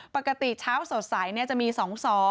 ปกติเช้าสดใสจะมี๒๒